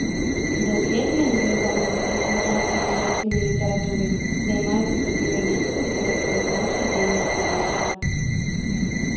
Даследаванні, звязаныя з азербайджанскай эміграцыйнай літаратурай, займаюць асаблівае месца ў літаратуразнаўчай дзейнасці аўтара.